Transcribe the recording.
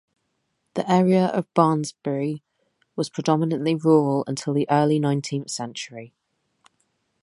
The area of Barnsbury was predominantly rural until the early nineteenth century.